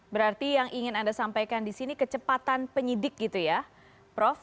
berarti yang ingin anda sampaikan di sini kecepatan penyidik gitu ya prof